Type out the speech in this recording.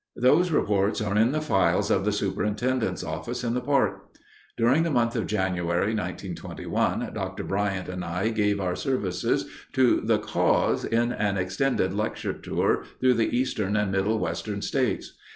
Those reports are in the files of the Superintendent's office in the park. During the month of January, 1921, Dr. Bryant and I gave our services to the cause in an extended lecture tour through the eastern and middle western states.